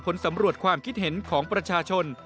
ผลสำรวจความคิดเห็นของประชาชน